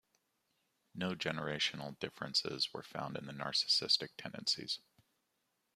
No generational differences were found in the narcissistic tendencies.